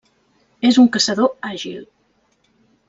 És un caçador àgil.